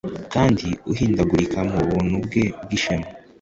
Kandi uhindagurika mu buntu bwe bwishema